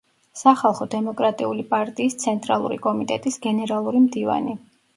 სახალხო დემოკრატიული პარტიის ცენტრალური კომიტეტის გენერალური მდივანი.